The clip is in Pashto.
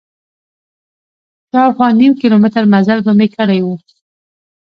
شاوخوا نیم کیلومتر مزل به مې کړی و.